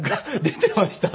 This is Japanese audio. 出ていました。